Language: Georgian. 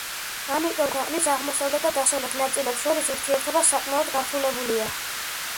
ამიტომ ქვეყნის აღმოსავლეთ და დასავლეთ ნაწილებს შორის ურთიერთობა საკმაოდ გართულებულია.